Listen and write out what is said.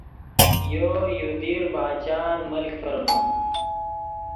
یو، یو دیر باچان ملک ڤرمے